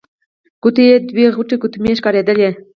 ګوتو يې دوې غټې ګوتمۍ ښکارېدلې.